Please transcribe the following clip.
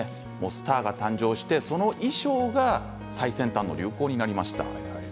スターが誕生して、その衣装が最先端の流行になりました。